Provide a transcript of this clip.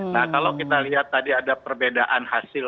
nah kalau kita lihat tadi ada perbedaan hasil